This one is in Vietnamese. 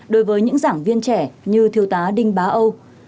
đối với những giảng viên trẻ như thiếu tá đinh bá âu